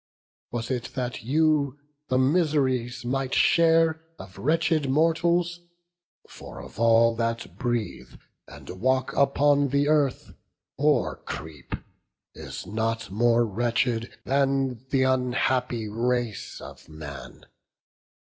Was it that you the miseries might share Of wretched mortals? for of all that breathe, And walk upon the earth, or creep, is nought More wretched than th' unhappy race of man.